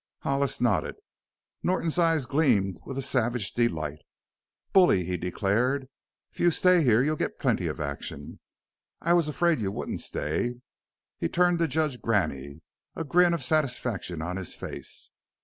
Hollis nodded. Norton's eyes gleamed with a savage delight. "Bully!" he declared. "If you stay here you'll get plenty of action. I was afraid you wouldn't stay." He turned to Judge Graney, a grin of satisfaction on his face.